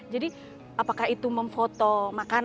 jadi apakah itu memfoto makanan